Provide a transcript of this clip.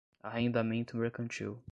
Arrendamento Mercantil